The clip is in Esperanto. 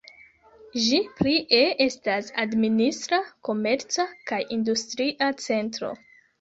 Ĝi plie estas administra, komerca kaj industria centro.